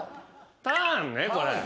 ターンねこれ。